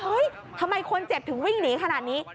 ทำไมคนเจ็บถึงวิ่งหนีขนาดนี้